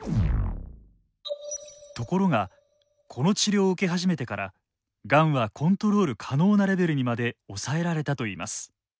ところがこの治療を受け始めてからがんはコントロール可能なレベルにまで抑えられたといいます。